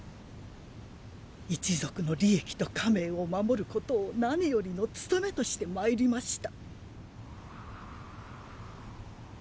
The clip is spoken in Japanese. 一族の利益と家名を守ることを何よりの務めとしてまいりました。